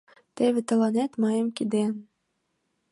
Теве тыланет мыйын кидем.